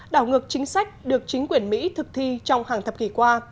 đảo ngược chính sách được chính quyền mỹ thực thi trong hàng thập kỷ qua